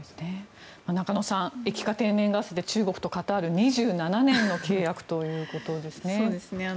中野さん液化天然ガスで中国とカタール２７年の契約ということですね。